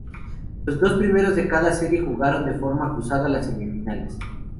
Los dos primeros de cada serie jugaron de forma cruzada las semifinales.